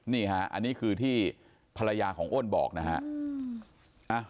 นี่ฮะอันนี้คือที่ภรรยาของอ้นบอกนะฮะ